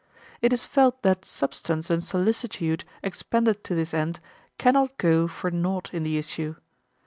It is felt that substance and solicitude expended to this end can not go for naught in the issue.